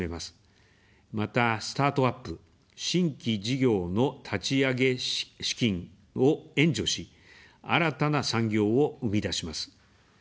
また、スタートアップ、新規事業の立ち上げ資金を援助し、新たな産業を生み出します。